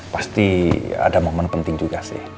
pasti ada momen penting juga sih